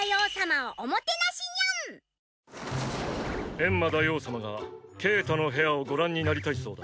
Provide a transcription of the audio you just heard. エンマ大王様がケータの部屋をご覧になりたいそうだ。